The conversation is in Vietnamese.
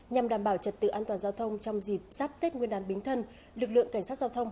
nhằm đảm bảo trật tự an toàn giao thông trong dịp sắp tết nguyên đán bính thân lực lượng cảnh sát giao thông